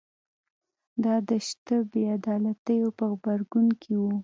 دا د شته بې عدالتیو په غبرګون کې و